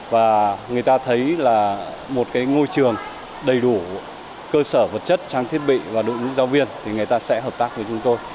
và người ta thấy là một cái ngôi trường đầy đủ cơ sở vật chất trang thiết bị và đội ngũ giáo viên thì người ta sẽ hợp tác với chúng tôi